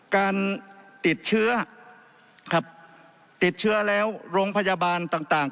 การติดเชื้อครับติดเชื้อแล้วโรงพยาบาลต่างต่าง